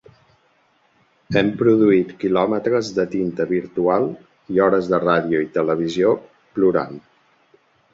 Hem produït quilòmetres de tinta virtual i hores de ràdio i televisió, plorant.